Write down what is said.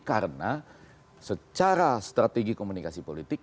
karena secara strategi komunikasi politik